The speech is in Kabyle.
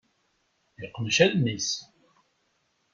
Yeqmec allen-is.